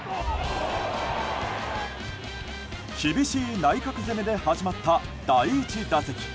厳しい内角攻めで始まった第１打席。